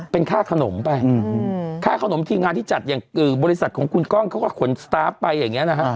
เป็นค่าขนมไปค่าขนมทีมงานที่จัดอย่างบริษัทของคุณก้องเขาก็ขนสตาร์ฟไปอย่างนี้นะฮะ